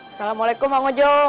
assalamualaikum ma'am ojo